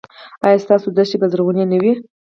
ایا ستاسو دښتې به زرغونې نه وي؟